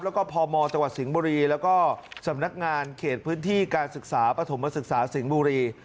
แล้วก็พมจังหวัดสิงห์บุรีแล้วก็สำนักงานเขตพื้นที่การศึกษาปฐมศึกษาสิงห์บุรี